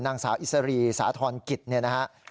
นางสาวอิสรีสาทรกิตนะฮะ